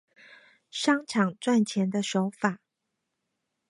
商場賺錢的手法